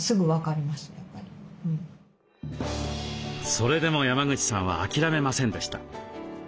それでも山口さんは諦めませんでした。